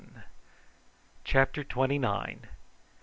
CHAPTER TWENTY NINE.